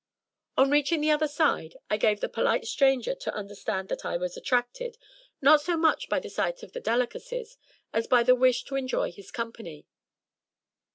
On reaching the other side I gave the polite stranger to under stand that I was attracted, not so much by the sight of the delicacies, as by the wish to enjoy his company.